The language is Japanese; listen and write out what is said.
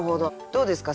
どうですか？